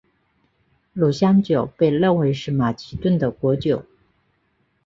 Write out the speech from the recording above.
乳香酒被认为是马其顿的国酒。